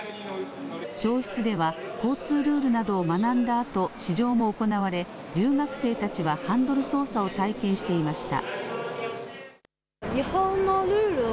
教室では交通ルールなどを学んだあと試乗も行われ留学生たちはハンドル操作を体験していました。